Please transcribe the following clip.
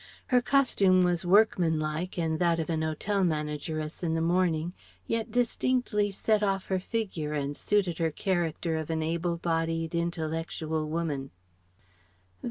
Her costume was workmanlike and that of an hotel manageress in the morning; yet distinctly set off her figure and suited her character of an able bodied, intellectual woman.